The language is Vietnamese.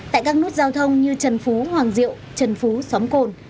tại các nút giao thông như trần phú hoàng diệu trần phú xóm cồn